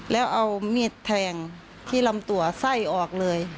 แล้วเอามีดแทงที่ลำตัวไส้ออกเลย